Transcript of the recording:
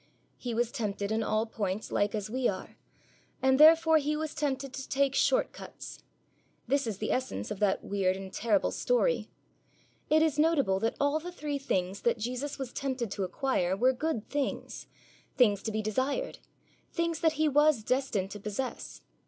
He was tempted in all points like as we are; and therefore He was tempted to take short cuts. This is the essence of that weird and terrible story. It is notable that all the three things that Jesus was tempted to acquire were good things, things to be desired, things that He was destined to possess.